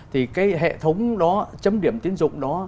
thì cái hệ thống đó chấm điểm tiến dụng đó